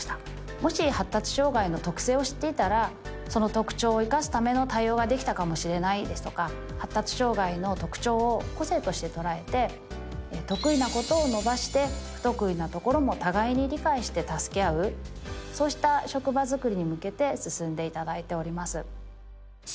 もし発達障害の特性を知っていたら、その特徴を生かすための対応ができたかもしれないですとか、発達障害の特徴を個性として捉えて、得意なことを伸ばして、不得意なところも互いに理解して助け合う、そうした職場作りに向けて進んでいただいております。